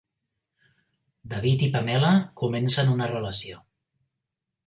David i Pamela comencen una relació.